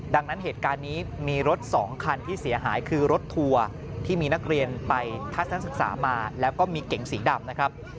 ดังนั้นเหตุการณ์นี้มีรถ๒คันที่เสียหายคือรถทัวร์ที่มีนักเรียนไปทัศนศึกษามาแล้วก็มีเก่งสีดำนะครับ